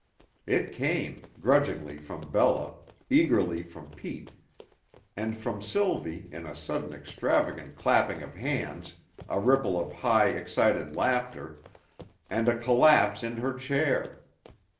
It came, grudgingly from Bella, eagerly from Pete and from Sylvie in a sudden extravagant clapping of hands, a ripple of high, excited laughter, and a collapse in her chair.